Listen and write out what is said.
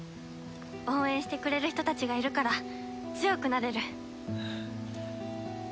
応援してくれる人たちがいるから強くなれる。